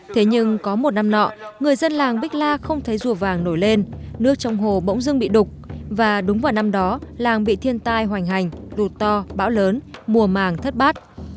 thế nhưng có một năm nọ người dân làng bích la không thấy rùa vàng nổi lên nước trong hồ bỗng dưng bị đục và đúng vào năm đó làng bị thiên tai hoành hành đụt to bão lớn mùa màng thất bát